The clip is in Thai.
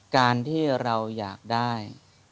การที่เราอยากได้